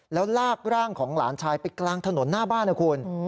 แล้วลากร่างของหลานชายไปกลางถนนหน้าบ้านนะคุณ